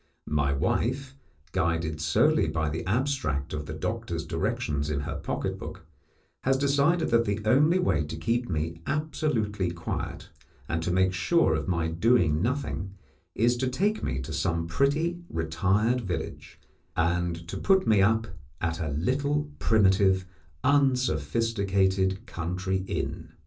My wife, guided solely by the abstract of the doctor's directions in her pocket book, has decided that the only way to keep me absolutely quiet, and to make sure of my doing nothing, is to take me to some pretty, retired village, and to put me up at a little primitive, unsophisticated country inn.